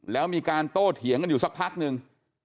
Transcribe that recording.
แล้วมีการโต้เถียงกันอยู่สักพักหนึ่ง